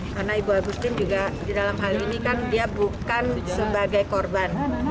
karena ibu agustin juga di dalam hal ini kan dia bukan sebagai korban